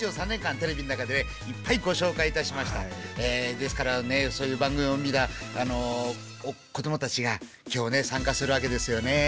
ですからそういう番組を見た子どもたちが今日参加するわけですよね。